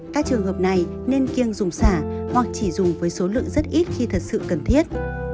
các trường hợp này nên kiêng dùng xả hoặc chỉ dùng với số lượng rất ít khi thật sự cần thiết